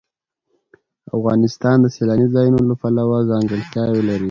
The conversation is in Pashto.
افغانستان د سیلاني ځایونو له پلوه ځانګړتیاوې لري.